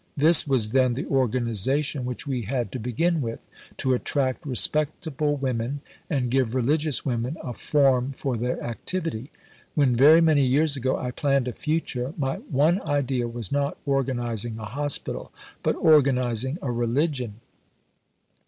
This was then the 'organization' which we had to begin with, to attract respectable women and give religious women a 'form' for their activity.... When very many years ago I planned a future, my one idea was not organizing a Hospital, but organizing a Religion."